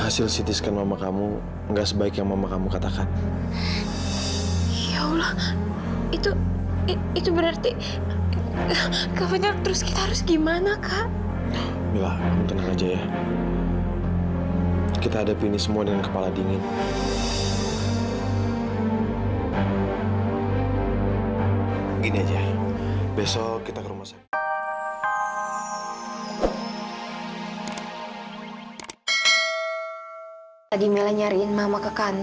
sampai jumpa di video selanjutnya